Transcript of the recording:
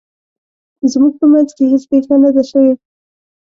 زموږ په مینځ کې هیڅ پیښه نه ده شوې